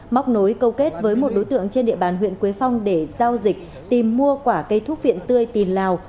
móc nối câu kết với một đối tượng trên địa bàn huyện quế phong để giao dịch tìm mua quả cây thuốc viện tươi từ lào